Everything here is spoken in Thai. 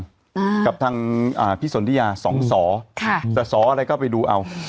อ่ากับทางอ่าพี่สนทิยาสองสอค่ะสอสออะไรก็ไปดูเอา